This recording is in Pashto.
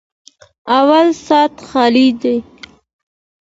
_اول سات خالي دی.